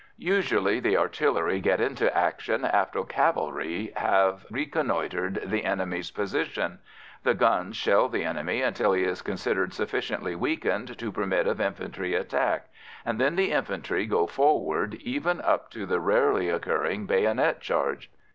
Usually, the artillery get into action after cavalry have reconnoitred the enemy's position; the guns shell the enemy until he is considered sufficiently weakened to permit of infantry attack, and then the infantry go forward, even up to the rarely occurring bayonet charge.